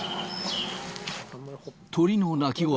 鳥の鳴き声。